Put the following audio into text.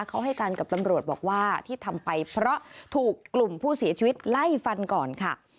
เขาให้การกับตำรวจบอกว่าที่ทำไปเพราะถูกกลุ่มผู้เสียชีวิตไล่ฟันก่อนค่ะ